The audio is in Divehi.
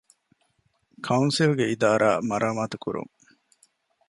ކައުންސިލްގެ އިދާރާ މަރާމާތުކުރުން